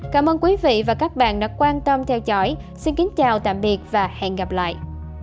cảm ơn quý vị và các bạn đã quan tâm theo dõi xin kính chào tạm biệt và hẹn gặp lại